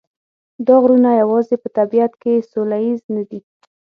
دا غرونه یوازې په طبیعت کې سوله ییز نه دي.